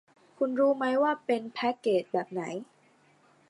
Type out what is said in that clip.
คุณรู้มั้ยว่าเป็นแพ็คเกจแบบไหน